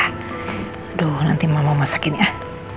aduh nanti mama mau masak ini ah